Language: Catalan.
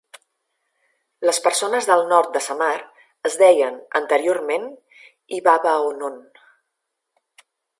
Les persones del nord de Samar es deien anteriorment "Ibabaonon".